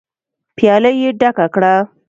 پياله يې ډکه کړه.